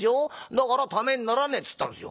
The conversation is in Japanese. だから『ためにならねえ』っつったんですよ。